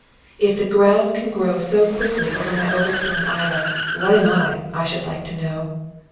If the grass can grow so quickly over my overthrown idol, what am I, I should like to know?